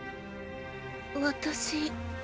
私。